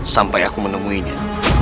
sampai aku menemuinya